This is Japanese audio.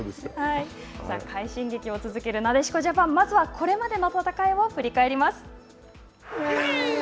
快進撃を続けるなでしこジャパン、まずはこれまでの戦いを振り返ります。